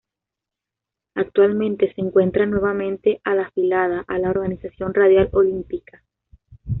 Actualmente se encuentra nuevamente a la afiliada a la Organización Radial Olímpica.